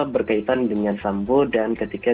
berkaitan dengan sambo dan ketika